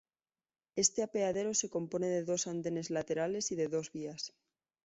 Este apeadero se compone de dos andenes laterales y de dos vías.